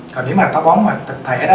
còn nếu táo bón thực thể